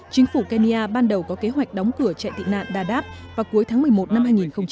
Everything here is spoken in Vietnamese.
chính phủ kenya ban đầu có kế hoạch đóng cửa chạy tị nạn dadaab vào cuối tháng một mươi một năm hai nghìn một mươi sáu